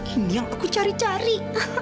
ini yang aku cari cari